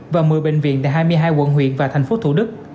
và một mươi bệnh viện tại hai mươi hai quận huyện và thành phố thủ đức